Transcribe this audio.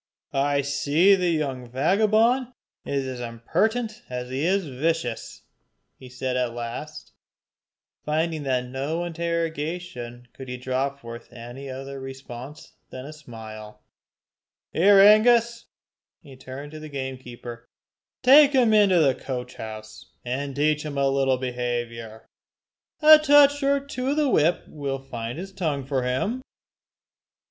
"I see the young vagabond is as impertinent as he is vicious," he said at last, finding that to no interrogation could he draw forth any other response than a smile. "Here Angus," and he turned to the gamekeeper "take him into the coach house, and teach him a little behaviour. A touch or two of the whip will find his tongue for him."